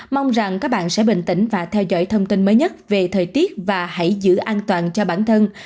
mong rằng các bạn sẽ bình tĩnh và theo dõi thông tin mới nhất về thời tiết và hãy giữ an toàn cho bản thân